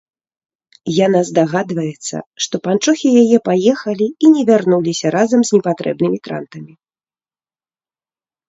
Яна здагадваецца, што панчохі яе паехалі і не вярнуліся разам з непатрэбнымі трантамі.